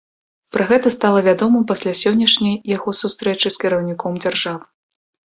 Пра гэта стала вядома пасля сённяшняй яго сустрэчы з кіраўніком дзяржавы.